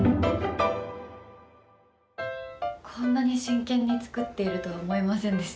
こんなに真剣に作っているとは思いませんでした。